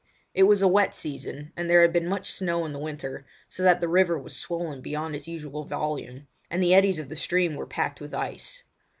It was a wet season, and there had been much snow in the winter, so that the river was swollen beyond its usual volume, and the eddies of the stream were packed with ice.